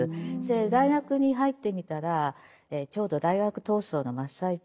大学に入ってみたらちょうど大学闘争の真っ最中。